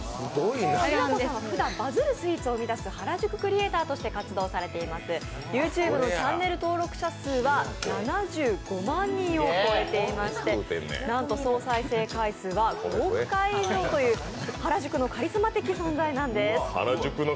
しなこさんはふだん、バズるスイーツを生み出す原宿クリエイターとして活躍されています、ＹｏｕＴｕｂｅのチャンネル登録者数は７５万人を超えていまして、なんと総再生回数は５億回以上という、原宿のカリスマ的存在なんです。